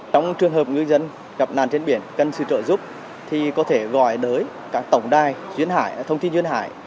trong trường hợp ngư dân gặp nạn trên biển cần sự trợ giúp thì có thể gọi tới các tổng đai thông tin duyên hải